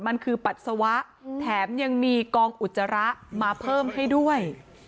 มันคือปัสสาวะแถมยังมีกองอุจจาระมาเพิ่มให้ด้วย